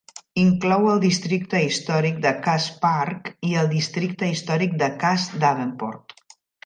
Inclou el districte històric de Cass Park i el districte històric de Cass-Davenport.